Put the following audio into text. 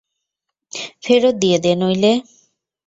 ফেরত দিয়ে দে, নইলে।